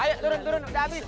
ayo turun turun udah habis